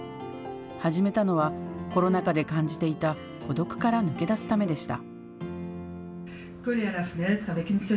始めたのは、コロナ禍で感じていた孤独から抜け出すためでした。